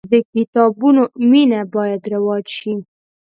د کتابونو مینه باید رواج سي.